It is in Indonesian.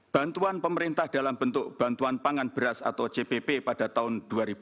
bantuan pemerintah dalam bentuk bantuan pangan beras atau cpp pada tahun dua ribu dua puluh